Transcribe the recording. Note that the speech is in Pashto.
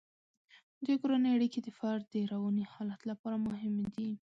د کورنۍ اړیکې د فرد د رواني حالت لپاره مهمې دي.